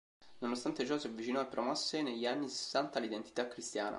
Nonostante ciò, si avvicinò e promosse negli anni sessanta l'identità cristiana.